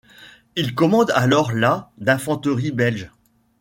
Il commande alors la d'infanterie belge.